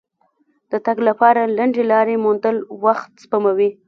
د تګ لپاره لنډې لارې موندل وخت سپموي.